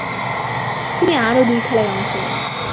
তিনি আরও দুই খেলায় অংশ নেন।